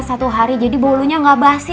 satu hari jadi bolunya nggak basi